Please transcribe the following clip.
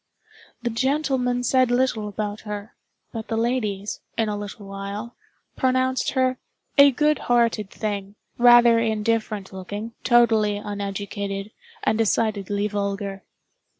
The gentlemen said little about her; but the ladies, in a little while, pronounced her "a good hearted thing, rather indifferent looking, totally uneducated, and decidedly vulgar."